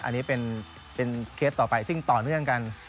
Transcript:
อันนี้เป็นเคสต่อไปซึ่งต่อเนื่องกัน